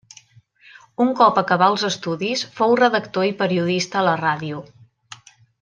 Un cop acabà els estudis, fou redactor i periodista a la ràdio.